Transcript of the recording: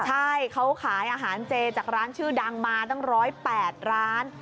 ใช่เขาขายอาหารเจจากร้านชื่อดังมาตั้ง๑๐๘ร้าน